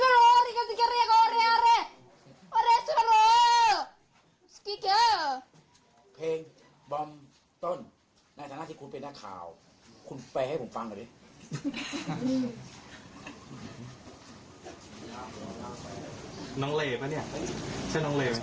ในฐานะที่คุณเป็นหน้าข่าว